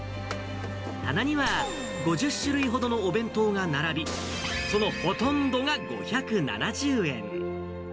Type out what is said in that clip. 棚には５０種類ほどのお弁当が並び、そのほとんどが５７０円。